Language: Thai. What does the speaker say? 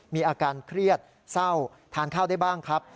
มีอาการเครียดเศร้าทานข้าวได้บ้างครับ